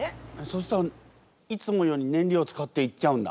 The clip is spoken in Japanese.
そしたらいつもより燃料使って行っちゃうんだ。